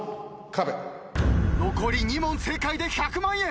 残り２問正解で１００万円！